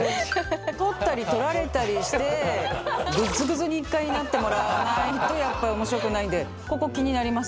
取ったり取られたりしてグッズグズに１回なってもらわないとやっぱ面白くないんでここ気になりますよね。